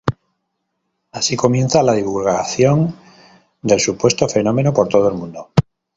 Así comienza la divulgación del supuesto fenómeno por todo el mundo.